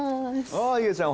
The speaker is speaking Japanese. おういげちゃん